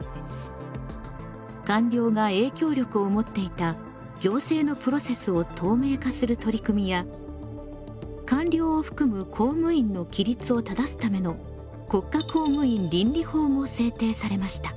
官僚が影響力を持っていた行政のプロセスを透明化する取り組みや官僚を含む公務員の規律を正すための国家公務員倫理法も制定されました。